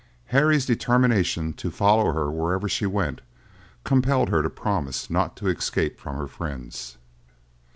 Harry's determination to follow her wherever she went compelled her to promise not to escape from her friends.